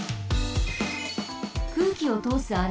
くうきをとおす穴です。